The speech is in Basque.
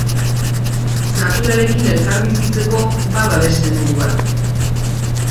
Naturarekin elkarbizitzeko, bada beste modu bat.